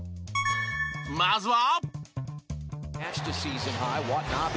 まずは。